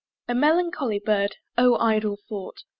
A melancholy Bird? O idle thought!